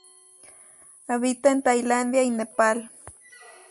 Habita en Tailandia y Nepal.